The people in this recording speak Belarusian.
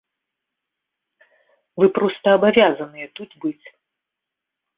Вы проста абавязаныя тут быць!